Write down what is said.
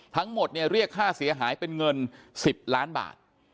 ทั้งหมดเนี่ยเรียกค่าเสียหายเป็นเงิน๑๐ล้านบาท